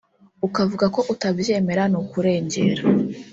ukavuga ko utabyemera ni ukurengera